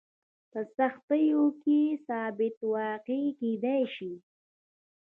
په سختیو کې ثابت واقع کېدای شي.